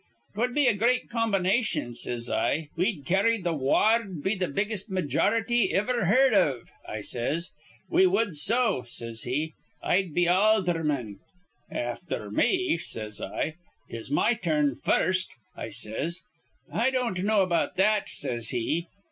"''Twud be a great combination,' says I, 'We'd carry th' wa ard be th' biggest majority iver heerd iv,' I says. 'We wud so,' says he. 'I'd be aldherman.' 'Afther me,' says I. ''Tis my turn first,' I says. 'I don't know about that,' says he.